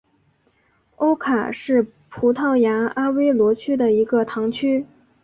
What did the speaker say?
欧卡是葡萄牙阿威罗区的一个堂区。